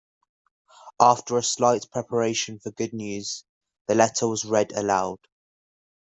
After a slight preparation for good news, the letter was read aloud.